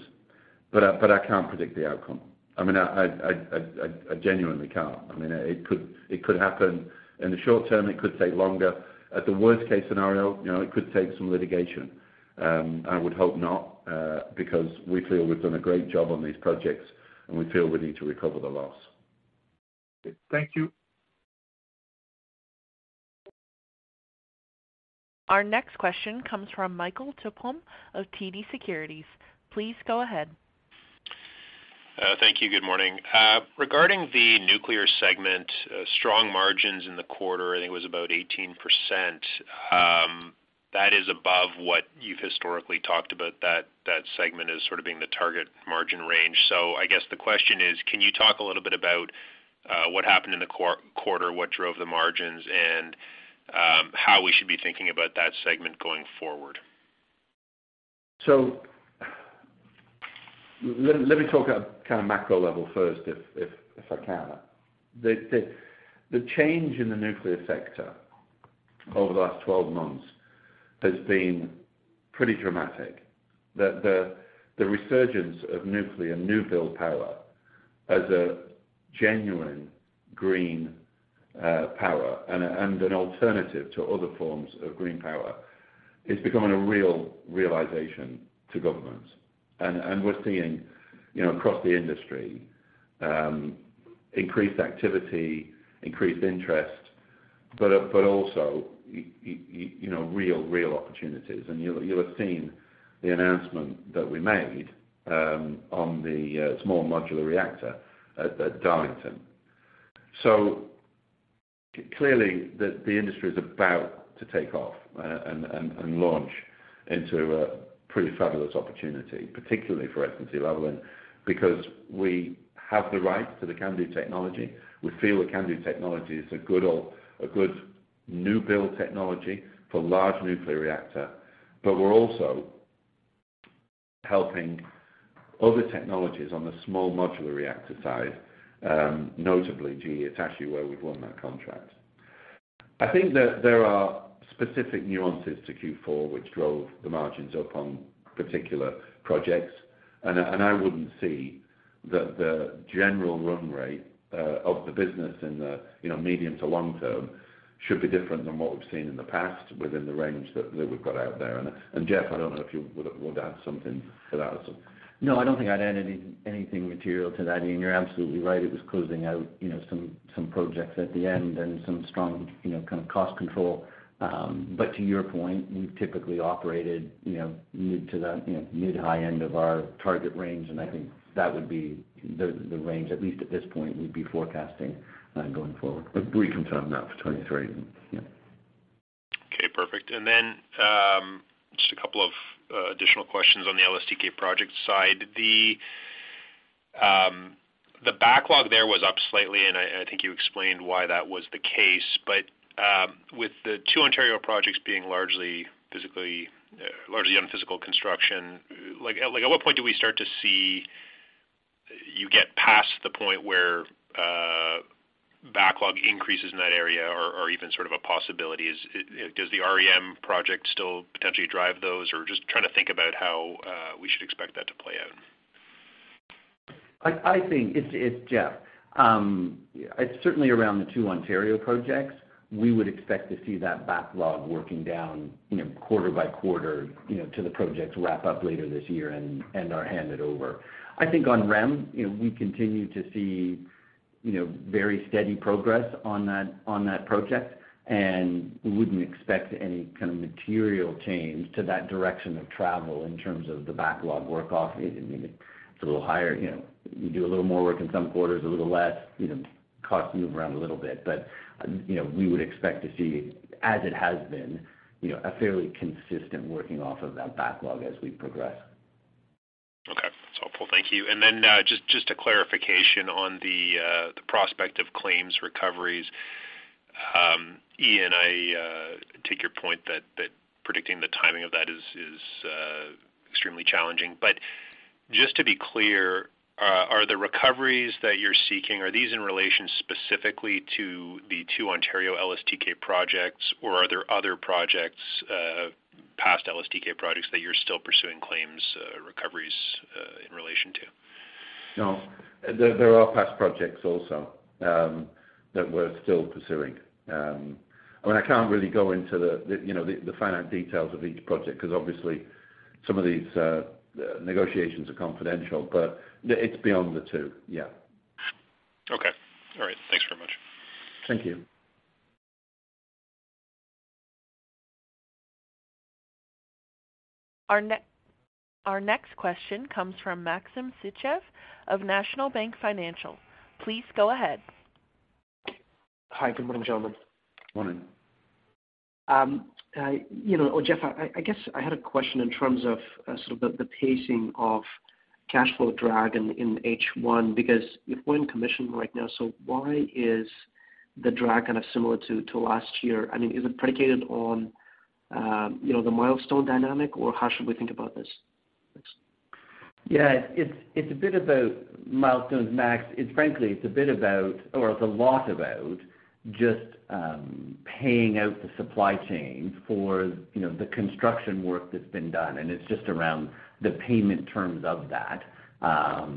I can't predict the outcome. I mean, I genuinely can't. I mean, it could happen in the short term, it could take longer. At the worst case scenario, you know, it could take some litigation. I would hope not, because we feel we've done a great job on these projects, and we feel we need to recover the loss. Thank you. Our next question comes from Michael Tupholme of TD Securities. Please go ahead. Thank you. Good morning. Regarding the nuclear segment, strong margins in the quarter, I think it was about 18%, that is above what you've historically talked about, that segment as sort of being the target margin range. I guess the question is, can you talk a little bit about, what happened in the quarter, what drove the margins, and, how we should be thinking about that segment going forward? Let me talk at kind of macro level first if I can. The change in the nuclear sector over the last 12 months has been pretty dramatic. The resurgence of nuclear new-build power as a genuine green power and an alternative to other forms of green power is becoming a real realization to governments. We're seeing, you know, across the industry, increased activity, increased interest, but also, you know, real opportunities. You'll have seen the announcement that we made on the small modular reactor at Darlington. Clearly the industry is about to take off and launch into a pretty fabulous opportunity, particularly for SNC-Lavalin, because we have the rights to the CANDU technology. We feel the CANDU technology is a good new-build technology for large nuclear reactor. We're also helping other technologies on the small modular reactor side, notably GE Hitachi, where we've won that contract. I think that there are specific nuances to Q4 which drove the margins up on particular projects. I wouldn't see the general run rate of the business in the, you know, medium to long term should be different than what we've seen in the past within the range that we've got out there. Jeff, I don't know if you would add something to that. No, I don't think I'd add anything material to that. I mean, you're absolutely right. It was closing out, you know, some projects at the end and some strong, you know, kind of cost control. But to your point, we've typically operated, you know, mid to the, you know, mid high end of our target range. I think that would be the range, at least at this point, we'd be forecasting going forward. We confirm that for 2023. Yeah. Okay, perfect. Just a couple of additional questions on the LSTK project side. The backlog there was up slightly, and I think you explained why that was the case. With the 2 Ontario projects being largely on physical construction, like at what point do we start to see you get past the point where backlog increases in that area or even sort of a possibility? Does the REM project still potentially drive those? Just trying to think about how we should expect that to play out. Jeff, it's certainly around the 2 Ontario projects. We would expect to see that backlog working down, you know, quarter by quarter, you know, till the projects wrap up later this year and are handed over. I think on REM, you know, we continue to see, you know, very steady progress on that project, and we wouldn't expect any kind of material change to that direction of travel in terms of the backlog work off. I mean, it's a little higher, you know, you do a little more work in some quarters, a little less, you know, costs move around a little bit. You know, we would expect to see, as it has been, you know, a fairly consistent working off of that backlog as we progress. Okay. That's helpful. Thank you. Then, just a clarification on the prospect of claims recoveries. Ian, I take your point that predicting the timing of that is extremely challenging. Just to be clear, are the recoveries that you're seeking, are these in relation specifically to the two Ontario LSTK projects, or are there other projects, past LSTK projects that you're still pursuing claims, recoveries in relation to? No. There are past projects also that we're still pursuing. I mean, I can't really go into the, you know, the finite details of each project 'cause obviously some of these negotiations are confidential. It's beyond the two. Yeah. Okay. All right. Thanks very much. Thank you. Our next question comes from Maxim Sytchev of National Bank Financial. Please go ahead. Hi. Good morning, gentlemen. Morning. You know, Jeff, I guess I had a question in terms of sort of the pacing of cash flow drag in H1, because you've went commission right now, why is the drag kind of similar to last year? I mean, is it predicated on, you know, the milestone dynamic, or how should we think about this? Thanks. It's, it's a bit about milestones, Maxim. It's frankly, it's a bit about or it's a lot about just paying out the supply chain for, you know, the construction work that's been done, and it's just around the payment terms of that. That,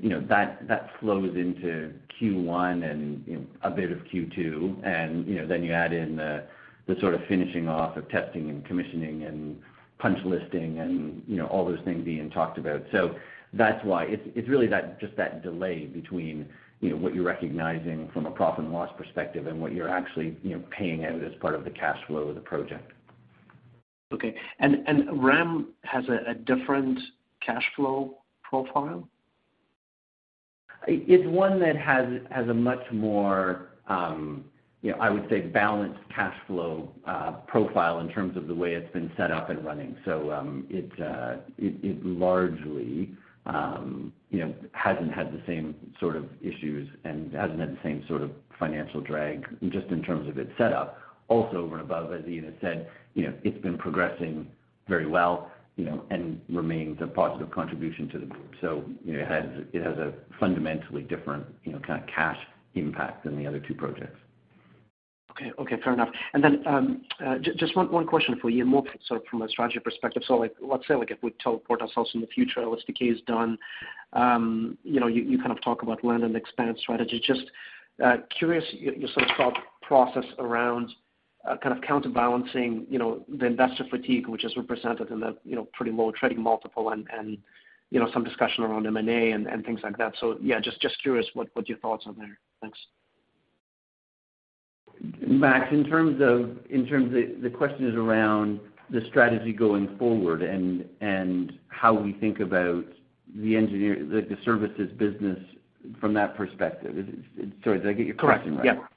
you know, that flows into Q1 and, you know, a bit of Q2 and, you know, then you add in the sort of finishing off of testing and commissioning and punch listing and, you know, all those things Ian talked about. That's why. It's, it's really that, just that delay between, you know, what you're recognizing from a profit and loss perspective and what you're actually, you know, paying out as part of the cash flow of the project. Okay. REM has a different cash flow profile? It's one that has a much more, you know, I would say, balanced cash flow profile in terms of the way it's been set up and running. It largely, you know, hasn't had the same sort of issues and hasn't had the same sort of financial drag just in terms of its set up. Also over and above, as Ian has said, you know, it's been progressing very well, you know, and remains a positive contribution to the group. It has a fundamentally different, you know, kind of cash impact than the other 2 projects. Okay. Okay. Fair enough. Just one question for you, more so from a strategy perspective. Like, let's say, like, if we teleport ourselves in the future, LSTK is done, you know, you kind of talk about land and expand strategy. Just curious your sort of thought process around kind of counterbalancing, you know, the investor fatigue, which is represented in the, you know, pretty low trading multiple and, you know, some discussion around M&A and things like that. Yeah, just curious what your thoughts are there. Thanks. Maxim, in terms of... The question is around the strategy going forward and how we think about the services business from that perspective. Sorry, did I get your question right? Correct.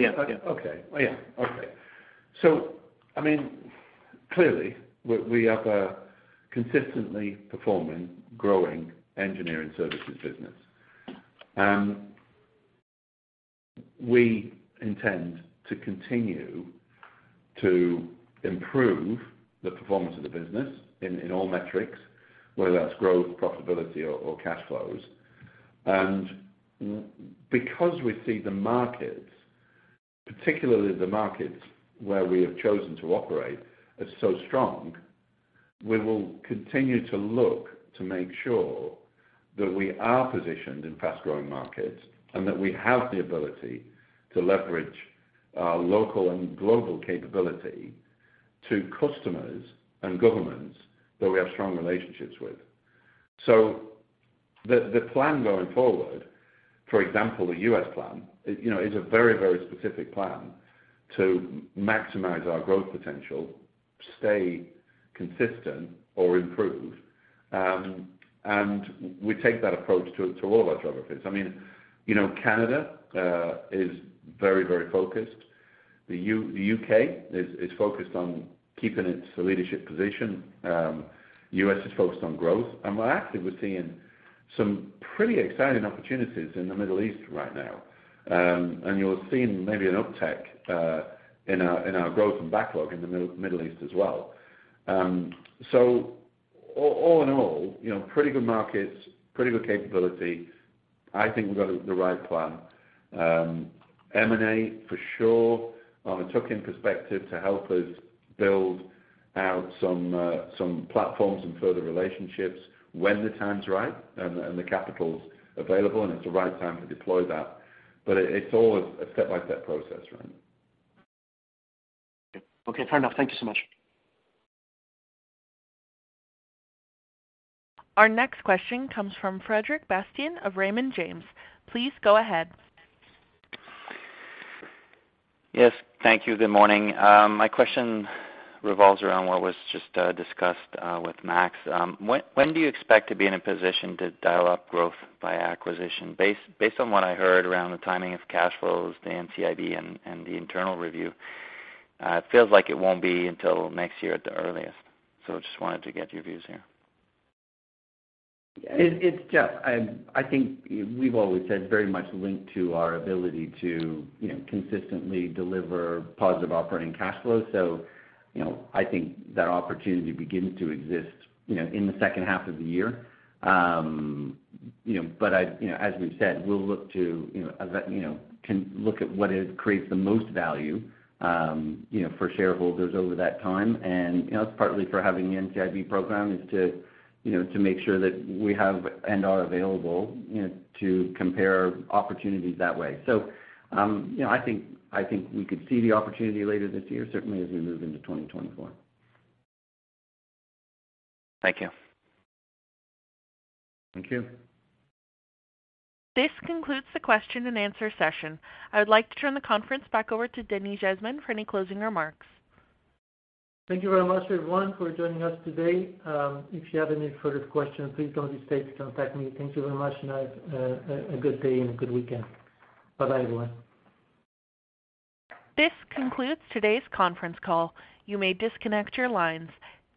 Yeah. Okay. Yeah. I mean, clearly we have a consistently performing, growing engineering services business. We intend to continue to improve the performance of the business in all metrics, whether that's growth, profitability or cash flows. Because we see the markets, particularly the markets where we have chosen to operate, are so strong, we will continue to look to make sure that we are positioned in fast-growing markets and that we have the ability to leverage our local and global capability to customers and governments that we have strong relationships with. The plan going forward, for example, the U.S. plan, you know, is a very, very specific plan to maximize our growth potential, stay consistent or improve. We take that approach to all of our geographies. I mean, you know, Canada, is very focused. The U.K. is focused on keeping its leadership position. The U.S. is focused on growth. We're actually we're seeing some pretty exciting opportunities in the Middle East right now. You're seeing maybe an uptick in our growth and backlog in the Middle East as well. All in all, you know, pretty good markets, pretty good capability. I think we've got the right plan. M&A, for sure, are a tuck-in perspective to help us build out some platforms and further relationships when the time's right and the capital's available, and it's the right time to deploy that. It's all a step-by-step process right now. Okay, fair enough. Thank you so much. Our next question comes from Frederic Bastien of Raymond James. Please go ahead. Yes, thank you. Good morning. My question revolves around what was just discussed with Maxim. When do you expect to be in a position to dial up growth by acquisition? Based on what I heard around the timing of cash flows, the NCIB and the internal review, it feels like it won't be until next year at the earliest. Just wanted to get your views here. It's yeah, I think we've always said very much linked to our ability to, you know, consistently deliver positive operating cash flows. You know, I think that opportunity begins to exist, you know, in the second half of the year. You know, but I'd, you know, as we've said, we'll look to, you know, as I, you know, can look at what it creates the most value, you know, for shareholders over that time. You know, it's partly for having the NCIB program is to, you know, to make sure that we have and are available, you know, to compare opportunities that way. You know, I think we could see the opportunity later this year, certainly as we move into 2024. Thank you. Thank you. This concludes the question and answer session. I would like to turn the conference back over to Denis Jasmin for any closing remarks. Thank you very much, everyone, for joining us today. If you have any further questions, please don't hesitate to contact me. Thank you very much. Have a good day and a good weekend. Bye bye, everyone. This concludes today's conference call. You may disconnect your lines.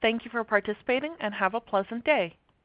Thank you for participating, and have a pleasant day.